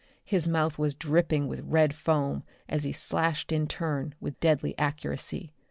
His mouth was dripping with red foam as he slashed in turn, with deadly accuracy.